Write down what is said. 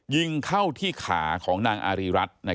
ยิงเข้าที่ขาของนางอารีรัฐ